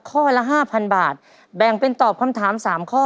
ข้อละ๕๐๐๐บาทแบ่งเป็นตอบคำถาม๓ข้อ